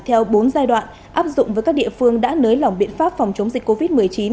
theo bốn giai đoạn áp dụng với các địa phương đã nới lỏng biện pháp phòng chống dịch covid một mươi chín